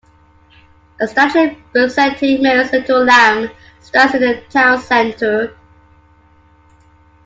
A statue representing Mary's Little Lamb stands in the town center.